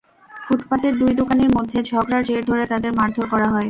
ফুটপাতের দুই দোকানির মধ্যে ঝগড়ার জের ধরে তাঁদের মারধর করা হয়।